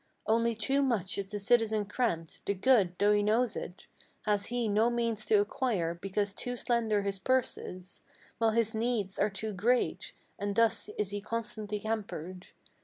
Only too much is the citizen cramped: the good, though he know it, Has he no means to acquire because too slender his purse is, While his needs are too great; and thus is he constantly hampered.